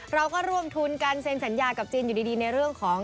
เราก็ร่วมทุนกันเซ็นสัญญากับจีนอยู่ดีในเรื่องของ